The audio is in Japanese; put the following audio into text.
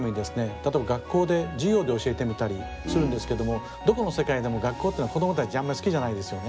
例えば学校で授業で教えてみたりするんですけどもどこの世界でも学校っていうのは子どもたちあんまり好きじゃないですよね。